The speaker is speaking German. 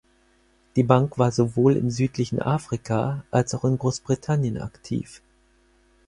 Die Bank war sowohl im südlichen Afrika, als auch in Großbritannien aktiv.